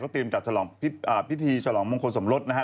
เขาตรีมจากพิธีฉลองมงคลสมรสนะฮะ